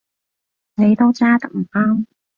你都揸得唔啱